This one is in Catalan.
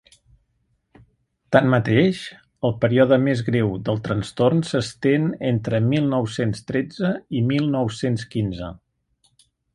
Tanmateix, el període més greu del trastorn s’estén entre mil nou-cents tretze i mil nou-cents quinze.